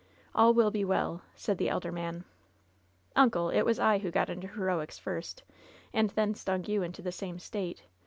All will be well," said the elder man. "Uncle, it was I who got into heroics first, and then stung you into the same state.